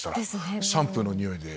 シャンプーの匂いで。